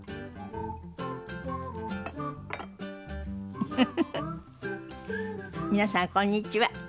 フフフフ皆さんこんにちは。